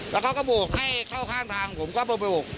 แล้วเขาก็โบกให้เข้าข้างทางผมก็โบก